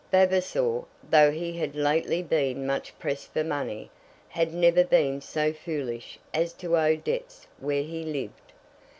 Vavasor, though he had lately been much pressed for money, had never been so foolish as to owe debts where he lived.